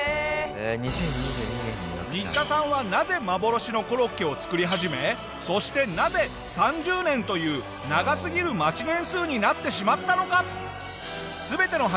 ニッタさんはなぜ幻のコロッケを作り始めそしてなぜ３０年という長すぎる待ち年数になってしまったのか？